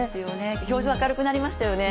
表情、明るくなりましたよね。